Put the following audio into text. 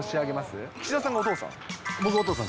僕、岸田さん、お父さん。